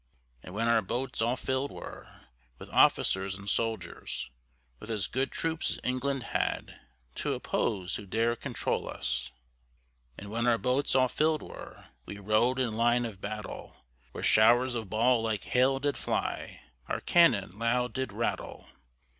And when our boats all fillèd were With officers and soldiers, With as good troops as England had, To oppose who dare controul us? And when our boats all fillèd were, We row'd in line of battle, Where showers of ball like hail did fly, Our cannon loud did rattle.